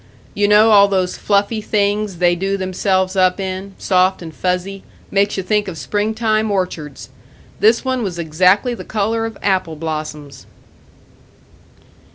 You know all those fluffy things they do themselves up in soft and fuzzy, makes you think of spring time orchards. This one was exactly the colour of apple blossoms."